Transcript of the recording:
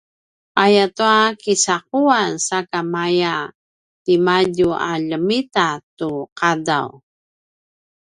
ayatua kicaquaquan sakamaya timadju a ljemita tu qadaw